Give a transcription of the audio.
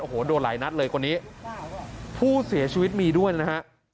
โอ้โหโดนหลายนัดเลยคนนี้ผู้เสียชีวิตมีด้วยนะฮะ